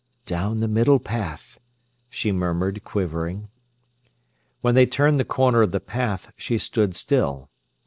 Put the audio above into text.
"Down the middle path," she murmured, quivering. When they turned the corner of the path she stood still.